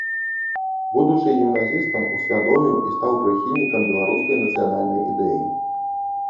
Будучы гімназістам, усвядоміў і стаў прыхільнікам беларускай нацыянальнай ідэі.